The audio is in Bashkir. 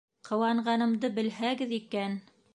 Ҡыуанғанымды белһәгеҙ икән!